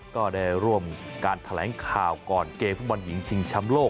ก็ได้ร่วมการแถลงข่าวก่อนเกมฟุตบอลหญิงชิงช้ำโลก